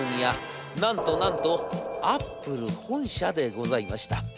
なんとなんとアップル本社でございました。